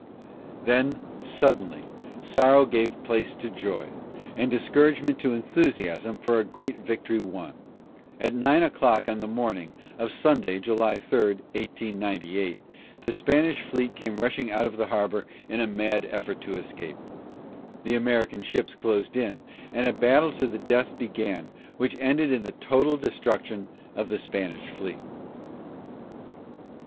Then, suddenly, sorrow gave place to joy, and discouragement to enthusiasm for a great victory won. At nine o'clock on the morning of Sunday, July 3, 1898, the Spanish fleet came rushing out of the harbor in a mad effort to escape. The American ships closed in, and a battle to the death began, which ended in the total destruction of the Spanish fleet.